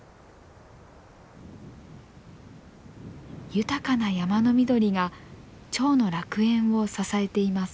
豊かな山の緑がチョウの楽園を支えています。